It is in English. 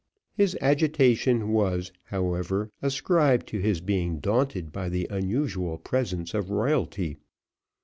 His agitation was, however, ascribed to his being daunted by the unusual presence of royalty.